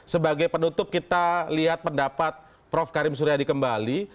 sebagai penutup kita lihat pendapat prof karim suryadi kembali